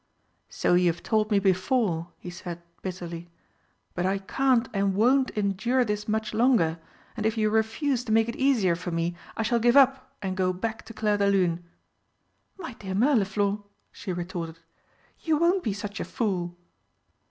"So you have told me before!" he said bitterly. "But I can't and won't endure this much longer, and if you refuse to make it easier for me, I shall give up and go back to Clairdelune!" "My dear Mirliflor," she retorted, "you won't be such a fool!"